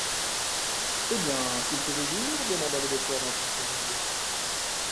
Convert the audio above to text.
Eh bien, s’il faisait jour ? demanda le docteur d’un ton singulier.